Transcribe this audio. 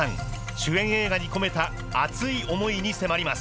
主演映画に込めた熱い思いに迫ります。